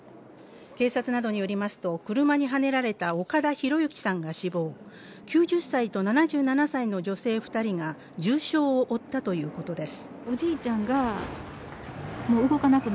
警察などによりますと、車にはねられた岡田博行さんが死亡９０歳と７７歳の女性２人が重傷を負ったということです。